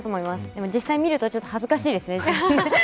でも実際見るとちょっと恥ずかしいですね。